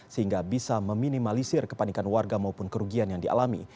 sehingga bisa meminimalisir kepanikan warga maupun kerugian yang dialami